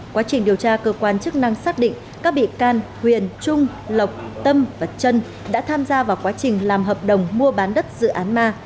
quá trình điều tra cơ quan chức năng xác định các bị can huyền trung lộc tâm và trân đã tham gia vào quá trình làm hợp đồng mua bán đất dự án ma